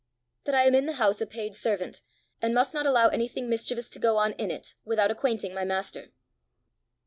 "That I am in the house a paid servant, and must not allow anything mischievous to go on in it without acquainting my master."